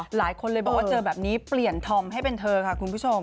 หลายคนเลยบอกว่าเจอแบบนี้เปลี่ยนธอมให้เป็นเธอค่ะคุณผู้ชม